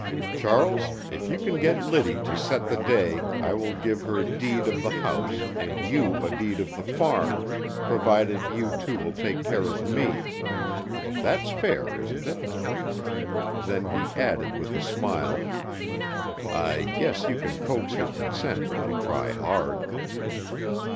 Charles, if you can get Liddy to set the day I will give her a deed of the house and you a deed of the farm, provided you two will take care of me. That's fair, isn't it?" Then he added, with a smile, "I guess you can coax her consent if you try hard."